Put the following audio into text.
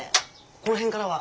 このへんからは。